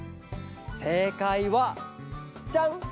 せいかいはジャン！